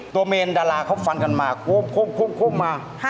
ตัวเมนดาราเขาฟันกันมากรุกมา